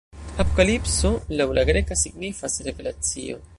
Apokalipso, laŭ la greka, signifas "Revelacio".